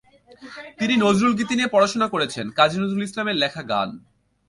তিনি নজরুল গীতি নিয়ে পড়াশোনা করেছেন, কাজী নজরুল ইসলামের লেখা গান।